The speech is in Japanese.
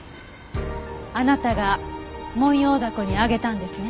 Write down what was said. あなたがモンヨウダコにあげたんですね。